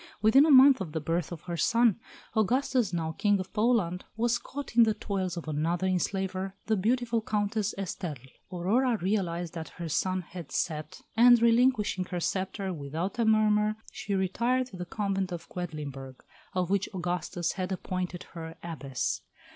Within a month of the birth of her son, Augustus, now King of Poland, was caught in the toils of another enslaver, the beautiful Countess Esterle. Aurora realised that her sun had set, and relinquishing her sceptre without a murmur, she retired to the convent of Quedlinburg, of which Augustus had appointed her Abbess.